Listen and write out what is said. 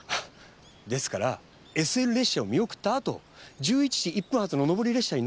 ですからＳＬ列車を見送ったあと１１時１分発の上り列車に乗って小山へ。